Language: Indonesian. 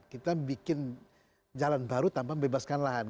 kita bikin jalan baru tanpa membebaskan lahan